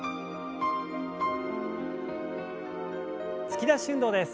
突き出し運動です。